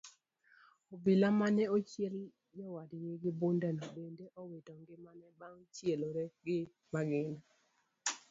Obila mane ochiel jowadgi gi bundeno bende owito ngimane bang' chielore gi magina.